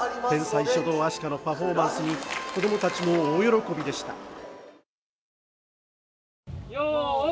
天才書道アシカのパフォーマンスに、子供たちも大喜びでした。